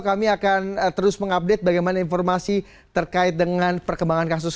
kami akan terus mengupdate bagaimana informasi terkait dengan perkembangan kasus